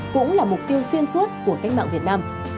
cũng là mục tiêu xuyên suốt của cách mạng việt nam